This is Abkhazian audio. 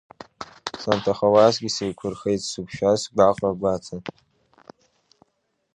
Санҭахуазгьы сеиқәурхеит, сзықәшәаз сгәаҟра гәаҭан.